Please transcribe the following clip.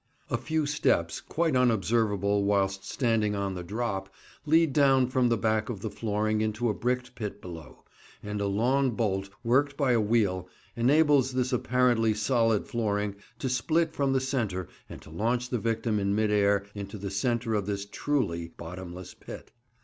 A few steps, quite unobservable whilst standing on the "drop," lead down from the back of the flooring into a bricked pit below, and a long bolt, worked by a wheel, enables this apparently solid flooring to split from the centre and to launch the victim in mid air into the centre of this truly "bottomless pit."